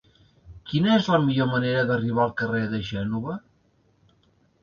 Quina és la millor manera d'arribar al carrer de Gènova?